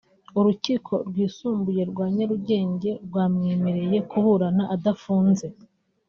urukiko rwisumbuye rwa Nyarugenge rwamwemereye kuburana adafunze